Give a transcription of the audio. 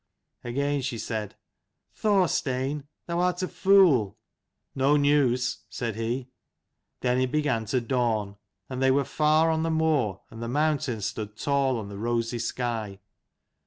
Again she said, " Thorstein, thou art a fool." " No news," said he. Then it began to dawn : and they were far on the moor, and the mountains stood tall on the rosy sky.